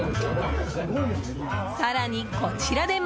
更に、こちらでも。